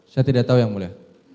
saya tidak tahu yang mulia